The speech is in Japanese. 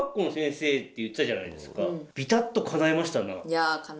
ビタっとかないましたな。